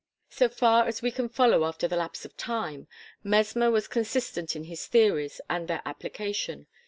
So far as we can follow after the lapse of time, Mesmer was consistent in his theories and their application.